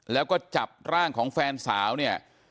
แล้วก็จับร่างของแฟนสาวเนี่ย